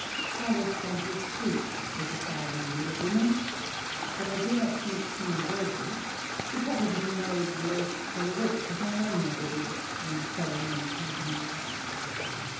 Charlotte Bronte, too, was a fine needlewoman, though I do not think she embroidered — she probably made lace collarettes, as my own mother did when sewing in company.